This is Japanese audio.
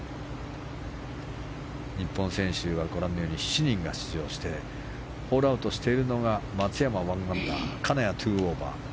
日本選手は７人が出場してホールアウトしているのが松山、１アンダー金谷、２オーバー。